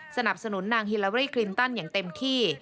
สนับสนุนนางฮิลารี่คลินตันอย่างเต็มที่